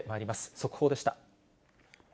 速報でした。